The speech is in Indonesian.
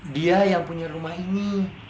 dia yang punya rumah ini